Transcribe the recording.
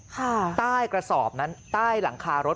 ใต้กระสอบนั้นใต้หลังคารถ